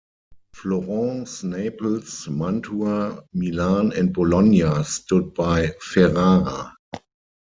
Florence, Naples, Mantua, Milan, and Bologna stood by Ferrara.